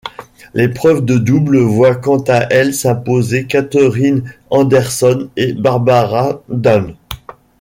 L'épreuve de double voit quant à elle s'imposer Catherine Anderson et Barbara Downs.